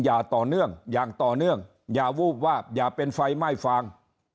อย่าต่อเนื่องอย่างต่อเนื่องอย่าวูบวาบอย่าเป็นไฟไหม้ฟาง